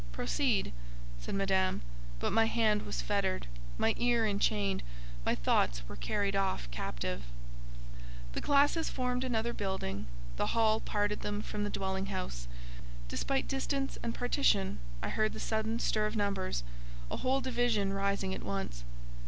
"Proceed," said Madame; but my hand was fettered, my ear enchained, my thoughts were carried off captive. The classes formed another building; the hall parted them from the dwelling house: despite distance and partition, I heard the sudden stir of numbers, a whole division rising at once.